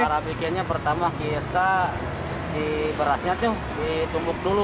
cara bikinnya pertama kita di berasnya tuh ditumbuk dulu